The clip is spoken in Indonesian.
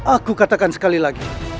aku katakan sekali lagi